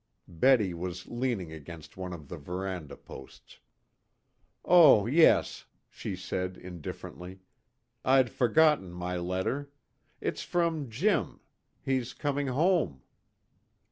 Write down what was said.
Betty was leaning against one of the veranda posts. "Oh, yes," she said indifferently. "I'd forgotten my letter. It's from Jim. He's coming home."